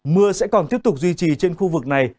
mưa sẽ còn tiếp tục duy trì trên khu vực này